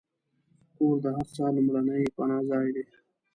کور د هر چا لومړنی پناهځای دی.